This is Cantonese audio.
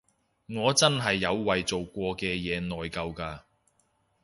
我真係有為做過嘅嘢內疚㗎